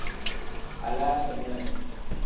Alaa timere.